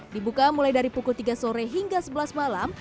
dibuka mulai dari pukul tiga sore hingga sebelas malam